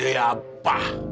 ide yang apa